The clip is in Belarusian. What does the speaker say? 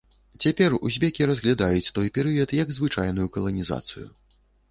Цяпер узбекі разглядаюць той перыяд як звычайную каланізацыю.